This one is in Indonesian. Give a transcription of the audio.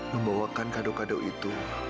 membawakan kadok kadok itu